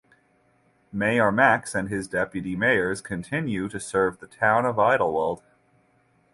Mayor Max and his Deputy Mayors continue to serve the town of Idyllwild.